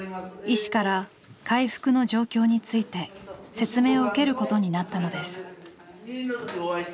医師から回復の状況について説明を受けることになったのです。